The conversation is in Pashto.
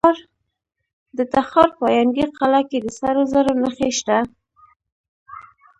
د تخار په ینګي قلعه کې د سرو زرو نښې شته.